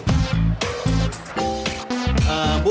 oh makasih bu